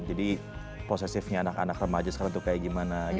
jadi posesifnya anak anak remaja sekarang tuh kayak gimana gitu